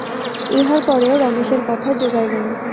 ইহার পরেও রমেশের কথা জোগাইল না।